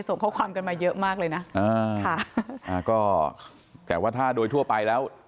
ส่งข้อความกันมาเยอะมากเลยนะอ่าค่ะอ่าก็แต่ว่าถ้าโดยทั่วไปแล้ว